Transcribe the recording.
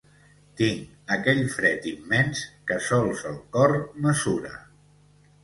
Tinc aquell fred immens que sols el cor mesura.